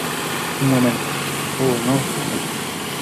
Un momento. ¡ oh, no!